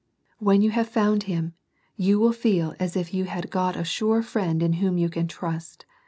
When you have found Him, you will feel as if you had got a sure Friend in whom you can trust.